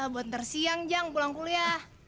buat nanti siang jang pulang kuliah